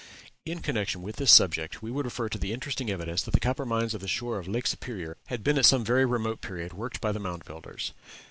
In connection with this subject, we would refer to the interesting evidences that the copper mines of the shore of Lake Superior had been at some very remote period worked by the Mound Builders.